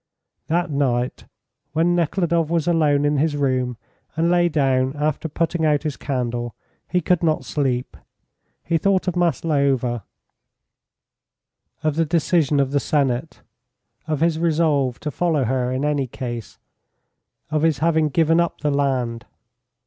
That night, when Nekhludoff was alone in his room, and lay down after putting out his candle, he could not sleep. He thought of Maslova, of the decision of the Senate, of his resolve to follow her in any case, of his having given up the land.